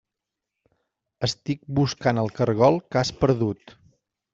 Estic buscant el caragol que has perdut.